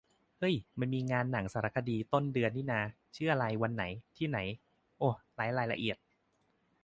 เฮ้ย มันมีงานหนังสารคดี ต้นเดือนหน้านี่นา ชื่ออะไร วันไหน ที่ไหน โอ ไร้รายละเอียด